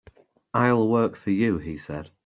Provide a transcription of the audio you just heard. "I'll work for you," he said.